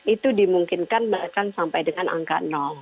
itu dimungkinkan bahkan sampai dengan angka